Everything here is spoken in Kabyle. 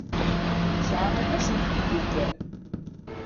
Tesɛa aṭas n tmeddukal.